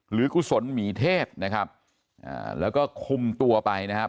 กุศลหมีเทศนะครับแล้วก็คุมตัวไปนะครับ